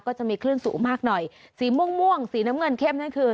ก็จะมีคลื่นสูงมากหน่อยสีม่วงม่วงสีน้ำเงินเข้มนั่นคือ